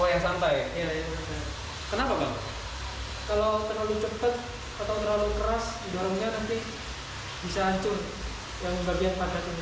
oh ya santai kenapa kalau terlalu cepat atau terlalu keras nanti bisa ancur yang